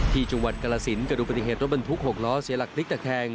ที่จุงวัดกละศิลป์ก็ดูเป็นจริงเหตุรถบรรทุกหกล้อเสียหลักลิขตะแทง